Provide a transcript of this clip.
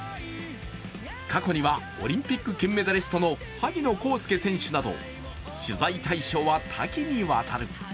過去にはオリンピック金メダリストの萩野公介選手など取材対象は多岐にわたる。